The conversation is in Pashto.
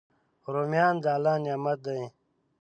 رومیان د الله نعمت دی